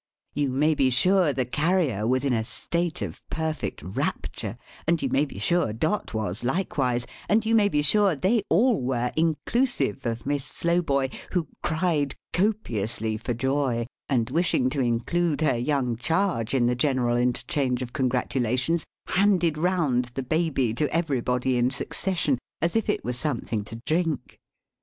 You may be sure the Carrier was in a state of perfect rapture; and you may be sure Dot was likewise; and you may be sure they all were, inclusive of Miss Slowboy, who cried copiously for joy, and, wishing to include her young charge in the general interchange of congratulations, handed round the Baby to everybody in succession, as if it were something to drink.